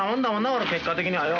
俺結果的にはよ。